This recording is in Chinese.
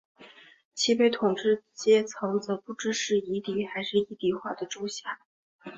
其被统治阶层则不知是夷狄还是夷狄化的诸夏。